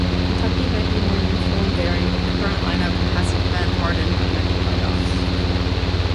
Kentucky might be more youthful and daring, but the current line-up hasn’t been hardened by many play-offs.